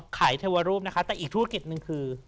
เทวรูปนะคะแต่อีกธุรกิจหนึ่งคือ